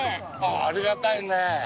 ◆ありがたいねえ。